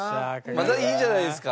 まだいいじゃないですか。